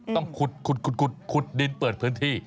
ต้องขุดดินเปิดพื้นที่